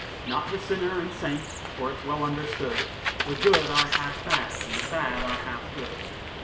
Not the sinner and saint, for it's well understood, The good are half bad, and the bad are half good.